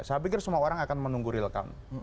saya pikir semua orang akan menunggu real count